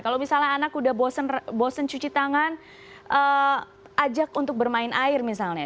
kalau misalnya anak udah bosen cuci tangan ajak untuk bermain air misalnya